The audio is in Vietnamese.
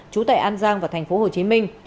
trú tại an giang và thành phố hồ chí minh